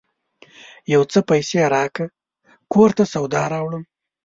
یو څه پیسې راکړه ! کور ته سودا راوړم